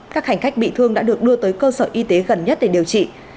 các hành khách bị thương đã được đưa tới cơ sở y tế gần nhất để điều trị